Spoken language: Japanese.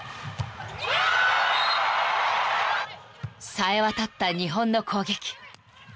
［さえ渡った日本の攻撃］